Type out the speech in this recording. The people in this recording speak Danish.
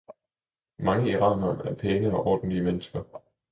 Mange iranere er pæne og ordentlige mennesker.